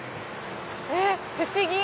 えっ不思議！